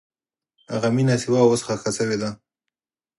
هغه مینه چې وه، اوس ښخ شوې ده.